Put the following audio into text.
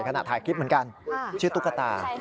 ขณะถ่ายคลิปเหมือนกันชื่อตุ๊กตา